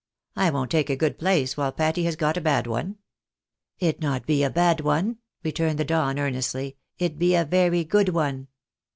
" I won't take a good place while Patty has got a bad one." " It not be bad one," returned the Don, earnestly. " It be a very good one."